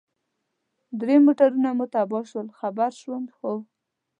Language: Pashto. درې موټرونه مو تباه شول، خبر شوم، هو.